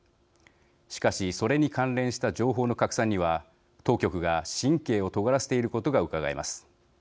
しかし、それに関連した情報の拡散には、当局が神経をとがらせていることがうかがえます。